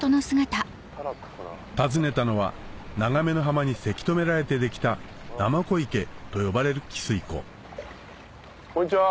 訪ねたのは長目の浜にせき止められてできたと呼ばれる汽水湖こんにちは。